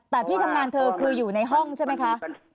แต่ที่ทำงานเธอคืออยู่ในห้องใช่ไหมคะ